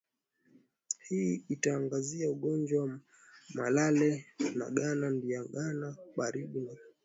hii itaangazia ugonjwa wa malale Nagana ndigana baridi na kititi au ugonjwa wa kiwele